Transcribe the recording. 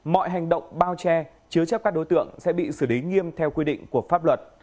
mọi hành động bao che chứa chấp các đối tượng sẽ bị xử lý nghiêm theo quy định của pháp luật